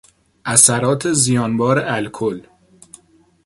اثرات زیانبار الکل